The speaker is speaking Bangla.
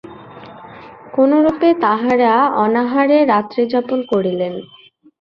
কোনরূপে তাঁহারা অনাহারে রাত্রিযাপন করিলেন।